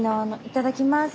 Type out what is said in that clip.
いただきます。